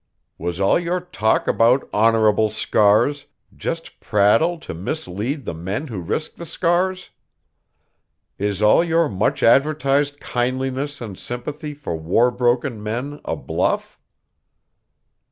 Was all your talk about honorable scars just prattle to mislead the men who risked the scars? Is all your much advertised kindliness and sympathy for war broken men a bluff?"